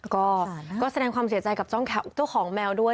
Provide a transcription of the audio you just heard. ก็แสดงความเสียใจกับเจ้าของแมวด้วย